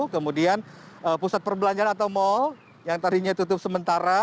kemudian pusat perbelanjaan atau mal yang tadinya tutup sementara